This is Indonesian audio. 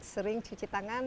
sering cuci tangan